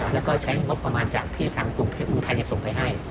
แล้วก็ใช้งบประมาณจากที่ทางกรุงเทพเมืองไทยส่งไปให้